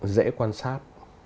dễ quan sát